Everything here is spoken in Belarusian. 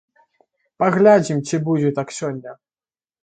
Паглядзім, ці будзе так сёння.